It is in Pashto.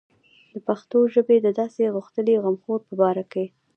د پښتو ژبې د داسې غښتلي غمخور په باره کې.